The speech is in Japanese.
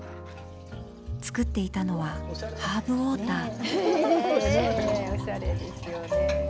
作っていたのはハーブウォーター。